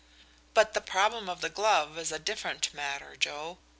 "But the problem of the glove is a different matter, Joe.